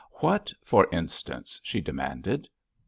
"What, for instance?" she demanded.